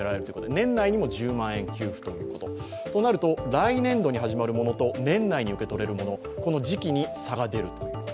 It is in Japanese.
来年度に始まるものと年内に受け取れるもの時期に差が出る。